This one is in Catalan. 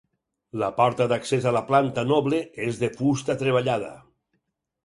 La porta d'accés a la planta noble és de fusta treballada.